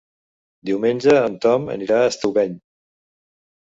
Diumenge en Tom anirà a Estubeny.